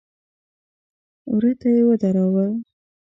وره ته يې ودراوه.